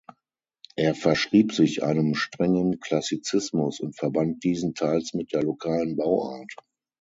Er verschrieb sich einem strengen Klassizismus und verband diesen teils mit der lokalen Bauart.